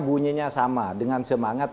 bunyinya sama dengan semangat